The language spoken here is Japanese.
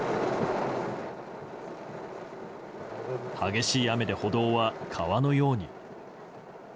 激しい雨で歩道は川のように。